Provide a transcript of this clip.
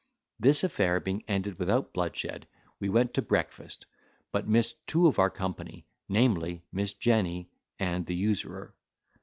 This affair being ended without bloodshed, we went to breakfast, but missed two of our company, namely, Miss Jenny and the usurer.